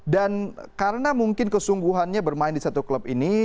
dan karena mungkin kesungguhannya bermain di satu klub ini